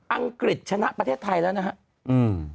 องกฤษชนะประเทศไทยแล้วนะครับ